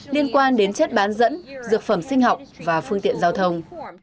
liên quan đến chất bán dẫn dược phẩm sinh học và phương tiện giao thông